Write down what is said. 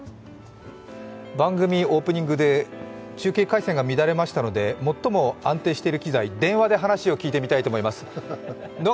番組オープニングで中継回線が乱れましたので最も安定している機材、電話で話を聞いてみたいと思います。